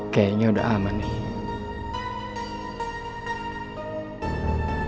kayaknya udah aman nih